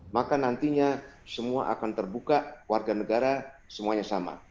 maka nantinya semua akan terbuka warga negara semuanya sama